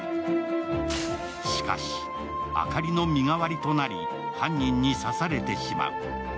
しかし、明香里の身代わりとなり犯人に刺されてしまう。